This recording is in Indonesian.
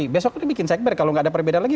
besok kita bikin segber kalau gak ada perbedaan lagi